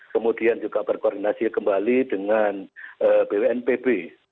kemudian juga berkoordinasi kembali dengan bnpb